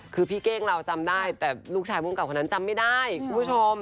คือพี่เก้งเราจำได้แต่ลูกชายภูมิกับคนนั้นจำไม่ได้คุณผู้ชม